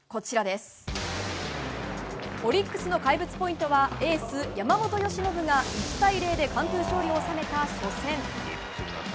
オリックスの怪物ポイントはエース、山本由伸が１対０で完封勝利を収めた初戦。